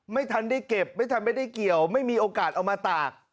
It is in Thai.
ไม่ทันได้เก็บไม่ทันไม่ได้เกี่ยวไม่มีโอกาสเอามาตาก